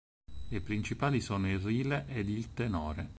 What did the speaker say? I principali sono il Rile ed il Tenore.